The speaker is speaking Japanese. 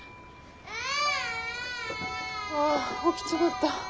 ・ああ起きちまった。